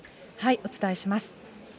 お伝えします。